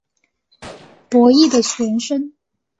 伯益的玄孙。